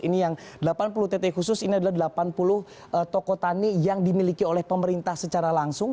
ini yang delapan puluh tt khusus ini adalah delapan puluh toko tani yang dimiliki oleh pemerintah secara langsung